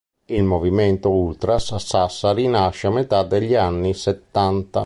Il movimento ultras a Sassari nasce a metà degli anni settanta.